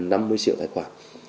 năm mươi triệu tài khoản